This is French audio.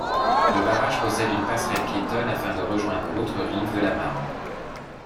Le barrage possède une passerelle piétonne, afin de rejoindre l'autre rive de la Marne.